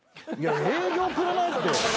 営業くれないって。